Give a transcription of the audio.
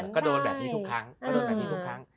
ก็โดนแบบนี้ทุกครั้ง